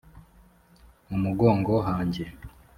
mu mugongo hanjye